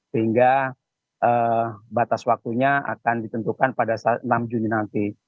sehingga batas waktunya akan ditentukan pada enam juni nanti